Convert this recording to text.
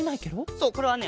そうこれはね